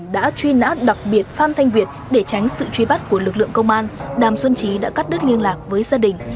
để tránh sự truy bắt của lực lượng công an đàm xuân trí đã cắt đứt liên lạc với gia đình